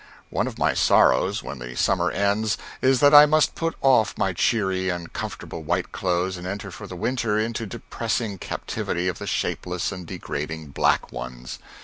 One of my sorrows, when the summer ends, is that I must put off my cheery and comfortable white clothes and enter for the winter into the depressing captivity of the shapeless and degrading black ones.